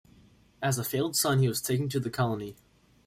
As a failed son he was taken to the colony.